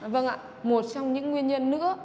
vâng ạ một trong những nguyên nhân nữa